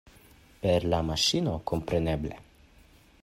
Per la maŝino, kompreneble?